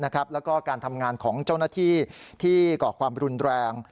การทำงานของเจ้าหน้าที่ที่เกาะความรุนแรง